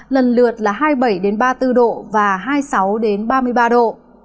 lần lượt là hai mươi bảy ba mươi bốn độ và hai mươi sáu ba mươi ba độ